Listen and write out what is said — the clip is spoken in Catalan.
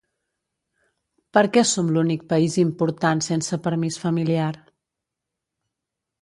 Per què som l’únic país important sense permís familiar?